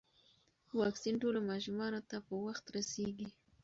واکسین ټولو ماشومانو ته په وخت رسیږي.